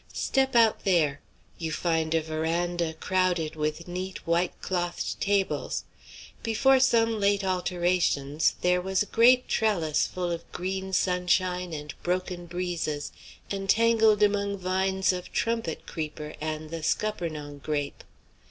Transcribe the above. Step out there. You find a veranda crowded with neat white clothed tables. Before some late alterations there was a great trellis full of green sunshine and broken breezes entangled among vines of trumpet creeper and the Scuppernong grape.